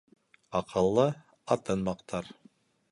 Аҡыллы атын маҡтар